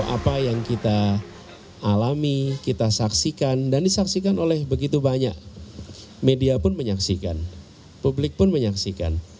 apa yang kita alami kita saksikan dan disaksikan oleh begitu banyak media pun menyaksikan publik pun menyaksikan